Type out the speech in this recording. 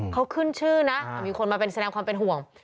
เขาขึ้นชื่อนะมีคนมาเป็นแสดงความเป็นห่วง